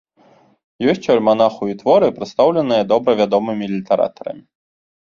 Ёсць у альманаху і творы, прадстаўленыя добра вядомымі літаратарамі.